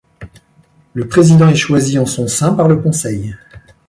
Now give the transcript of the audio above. Le Président est choisi en son sein par le Conseil.